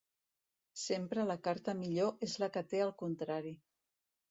Sempre la carta millor és la que té el contrari.